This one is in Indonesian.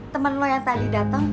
temen lo yang tadi datang